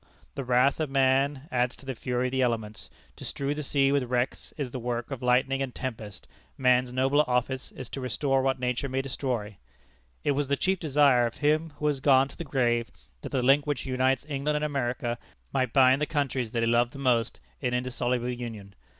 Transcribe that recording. The wrath of man adds to the fury of the elements. To strew the sea with wrecks is the work of lightning and tempest: man's nobler office is to restore what nature may destroy. It was the chief desire of him who has gone to the grave, that the link which unites England and America might bind the countries that he loved the most in indissoluble union.